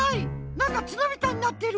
なんかつのみたいになってる！